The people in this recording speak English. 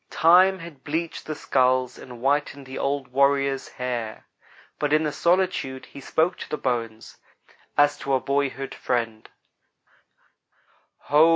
Time had bleached the skulls and whitened the old warrior's hair, but in the solitude he spoke to the bones as to a boyhood friend: "Ho!